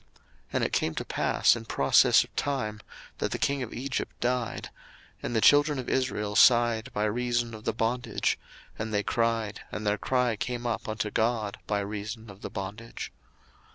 02:002:023 And it came to pass in process of time, that the king of Egypt died: and the children of Israel sighed by reason of the bondage, and they cried, and their cry came up unto God by reason of the bondage.